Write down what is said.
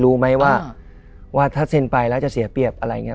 รู้ไหมว่าถ้าเซ็นไปแล้วจะเสียเปรียบอะไรอย่างนี้